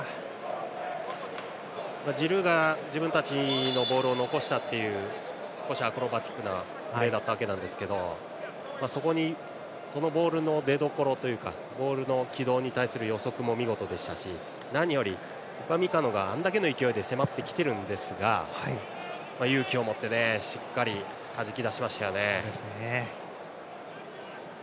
ジルーが自分たちのボールを残したという少しアクロバティックなプレーだったわけですがそのボールの出どころというかボールの軌道に対する予測も見事でしたし何より、ウパミカノがあれだけの勢いで迫ってきてるんですが勇気を持ってしっかりとはじき出しましたね。